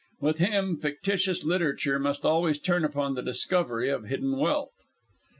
With him, fictitious literature must always turn upon the discovery of hidden wealth.